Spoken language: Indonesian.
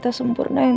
yang suaminya harik